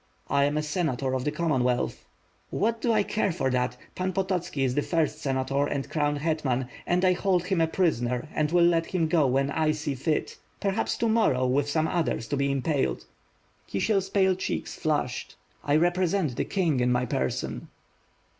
"I am a senator of the Commonwealth." "What do 1 care for that. Pan Pototski is the first senator and Crown hetman, and I hold him a prisoner and will let him go when I see fit; perhaps to morrow, with some others, to be impaled. Kisiers pale cheeks flushed. "1 represent the king in my person."